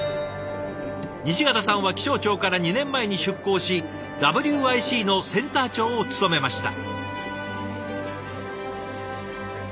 西潟さんは気象庁から２年前に出向しＷＩＣのセンター長を務めました。